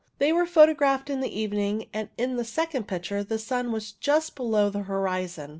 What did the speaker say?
They were photographed in the evening, and in the second picture the sun was just below the horizon.